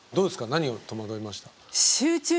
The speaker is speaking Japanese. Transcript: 何を戸惑いました？